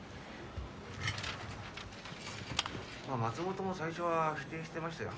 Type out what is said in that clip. まあ松本も最初は否定してましたよ。